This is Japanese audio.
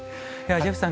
ジェフさん